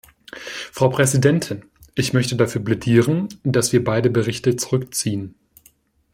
Frau Präsidentin, ich möchte dafür plädieren, dass wir beide Berichte zurückziehen.